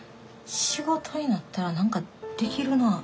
仕事になったら何かできるな」。